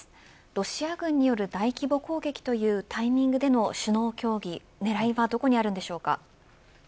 ロシア軍による大規模攻撃というタイミングでの首脳協議、狙いはどこにあるのでしょうか。